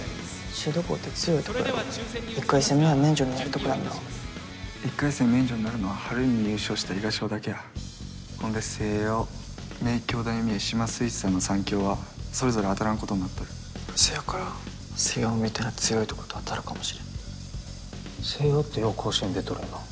シード校って強いとこやろ一回戦目は免除になるとこやんな一回戦免除になるのは春に優勝した伊賀商だけやほんで星葉名教大三重志摩水産の３強はそれぞれ当たらんことになっとるそやから星葉みたいな強いとこと当たるかもしれん星葉ってよう甲子園出とるよな？